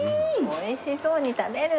美味しそうに食べる。